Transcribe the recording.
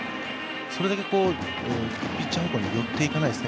それだけピッチャーに寄っていかないです。